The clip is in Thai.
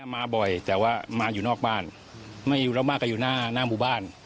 มาบ่อยแต่ว่ามาอยู่นอกบ้านไม่อยู่แล้วมาก็อยู่หน้าหมู่บ้าน